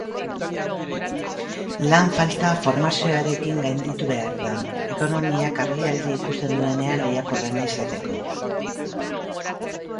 Lan falta formazioarekin gainditu behar da, ekonomiak argialdia ikusten duenean lehiakorrena izateko.